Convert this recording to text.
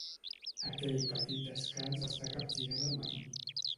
Aquell petit descans està capgirant el matí.